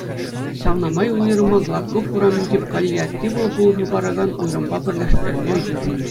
Ҫавна май уйрӑма Гладков урамӗнчи паллиативлӑ пулӑшу паракан уйрӑмпа пӗрлештерме йышӑннӑ.